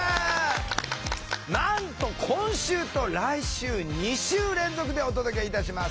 なんと今週と来週２週連続でお届けいたします。